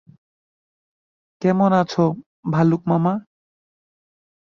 কেমন আছো, ভালুক মামা?